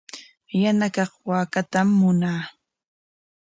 Yana kaq waakatam munaa.